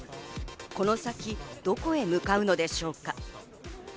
この先どこへ向かうのでしょうか？